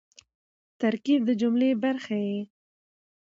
ترکیب د جملې برخه يي.